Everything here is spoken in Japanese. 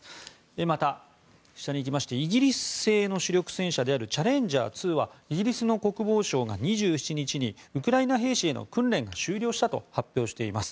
また、下に行きましてイギリス製の主力戦車であるチャレンジャー２はイギリスの国防省が２７日にウクライナ兵士への訓練が終了したと発表しています。